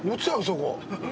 そこ！